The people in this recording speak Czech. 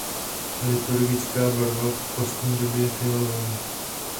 Liturgická barva postní doby je fialová.